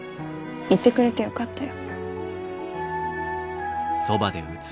言ってくれてよかったよ。